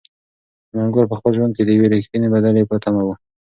انارګل په خپل ژوند کې د یوې رښتینې بدلې په تمه و.